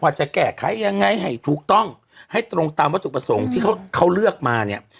ว่าจะแกะใครยังไงตรงต้องให้ตรงตามวัตถุปสมที่เค้าเลือกมาเนี่ย